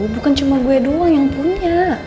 bukan cuma gue doang yang punya